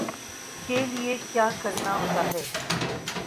کے لیے کیا کرنا ہوتا ہے